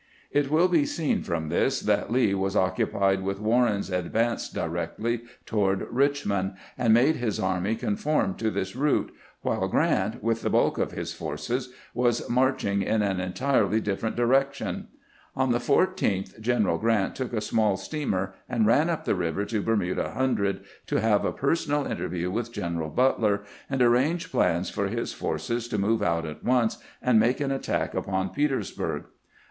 ..." It will be seen from this that Lee was occupied with Warren's advance di rectly toward Richmond, and made his army conform to this route, while Grant, with the bulk of his forces, was marching in an entirely different direction. On the 14th G eneral Grant took a small steamer and ran up the river to Bermuda Hundred, to have a personal interview with General Butler and arrange plans for his forces to move out at once and make an attack 198 CAMPAIGNING WITH GRANT upon Petersburg.